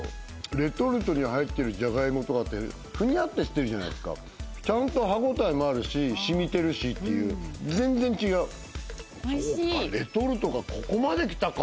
レトルトに入ってるじゃがいもとかってふにゃっとしてるじゃないですかちゃんと歯応えもあるししみてるしっていう全然違う美味しいそうかレトルトがここまできたか